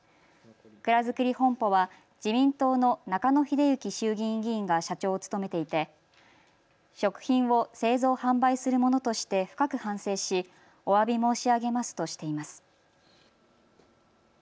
くらづくり本舗は自民党の中野英幸衆議院議員が社長を務めていて食品を製造・販売する者として深く反省しおわび申し上げますとしています。